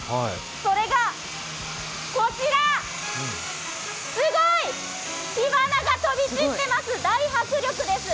それがこちらすごい、火花が飛び散っています、大迫力です。